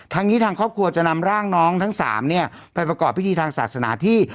ทางนี้ทางครอบครัวจะนำร่างน้องทั้ง๓เนี่ยไปประกอบพิธีทางศาสนาที่